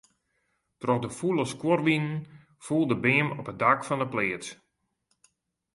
Troch de fûle skuorwinen foel de beam op it dak fan 'e pleats.